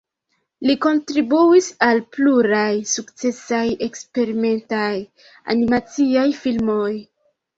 Li kontribuis al pluraj sukcesaj eksperimentaj animaciaj filmoj.